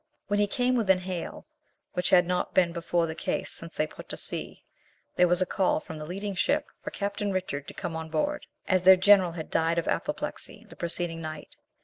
When he came within hail, which had not before been the case since they put to sea, there was a call from the leading ship for Captain Richard to come on board, as their general had died of apoplexy the preceding night.